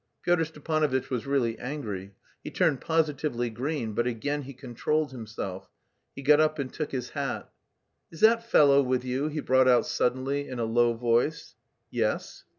Pyotr Stepanovitch was really angry; he turned positively green, but again he controlled himself. He got up and took his hat. "Is that fellow with you?" he brought out suddenly, in a low voice. "Yes."